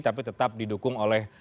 tapi tetap didukung oleh